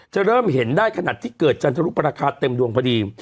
จะเริ่มเห็นได้ขนาดที่เกิดจันทรุปราคาเต็มดวงพอดี